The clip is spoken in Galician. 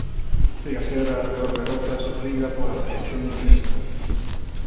Segue a ser a peor derrota sufrida pola selección inglesa.